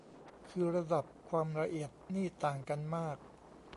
คือระดับความละเอียดนี่ต่างกันมาก